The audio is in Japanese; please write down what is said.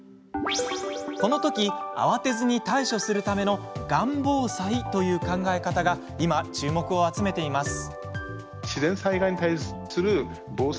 この時、慌てずに対処するためのがん防災という考え方が今、注目を集めています。